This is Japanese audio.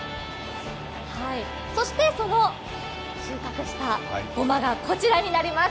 そして、その収穫したごまがこちらになります。